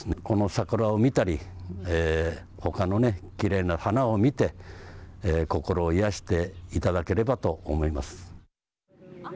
この桜を見たりほかのね、きれいな花を見て心を癒やしていただければと思います。